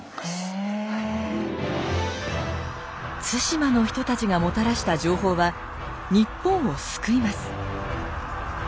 対馬の人たちがもたらした情報は日本を救います。